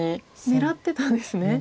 狙ってたんですね。